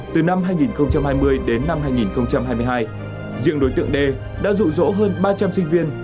từ năm hai nghìn hai mươi đến năm hai nghìn hai mươi hai riêng đối tượng đê đã rụ rỗ hơn ba trăm linh sinh viên